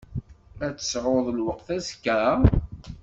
Ad tesɛuḍ lweqt azekka?